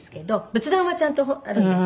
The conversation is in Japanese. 仏壇はちゃんとあるんですけど。